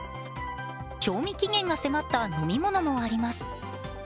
賞味期限が迫った飲み物もあります。